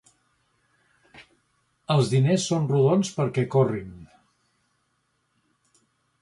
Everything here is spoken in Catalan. Els diners són rodons perquè corrin.